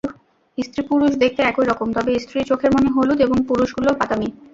স্ত্রী-পুরুষ দেখতে একই রকম, তবে স্ত্রীর চোখের মণি হলুদ এবং পুরুষেরগুলো বাদামি।